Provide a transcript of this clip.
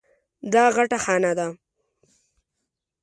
دا غټه خانه ده.